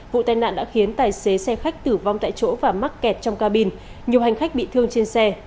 vụ tai nạn đã khiến tài xế xe khách tử vong tại chỗ và mắc kẹt trong cabin nhiều hành khách bị thương trên xe